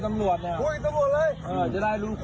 ไม่เกี่ยวหรอก